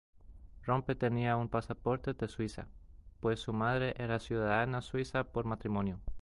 Rompe tenía un pasaporte de Suiza, pues su madre era ciudadana suiza por matrimonio.